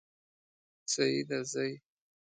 سیده ځئ